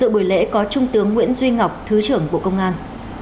dựa bởi lễ có trung tướng nguyễn duy ngọc thứ trưởng bộ công an